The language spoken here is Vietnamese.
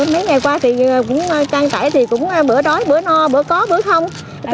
mấy ngày qua thì cũng căng tải bữa đói bữa no bữa có bữa không